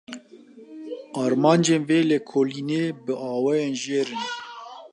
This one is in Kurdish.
Armancên vê vekolînê bi awayên jêr in: